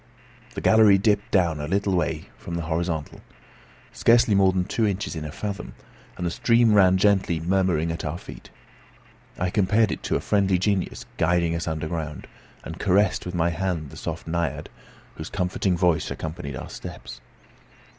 The gallery dipped down a very little way from the horizontal, scarcely more than two inches in a fathom, and the stream ran gently murmuring at our feet. I compared it to a friendly genius guiding us underground, and caressed with my hand the soft naiad, whose comforting voice accompanied our steps.